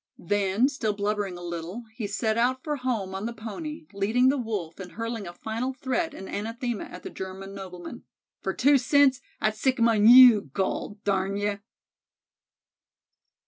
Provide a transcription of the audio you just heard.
Then, still blubbering a little, he set out for home on the Pony, leading the Wolf and hurling a final threat and anathema at the German nobleman: "Fur two cents I'd sic him on you, gol darn ye."